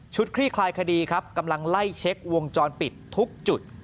คลี่คลายคดีครับกำลังไล่เช็ควงจรปิดทุกจุด